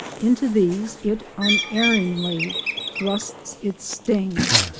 Into these it unerringly thrusts its sting.